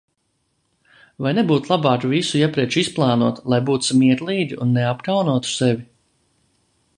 Vai nebūtu labāk visu iepriekš izplānot, lai būtu smieklīgi un neapkaunotu sevi?